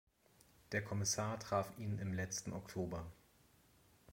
Der Kommissar traf ihn im letzten Oktober.